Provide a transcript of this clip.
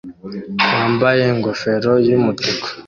wambaye ingofero yumutuku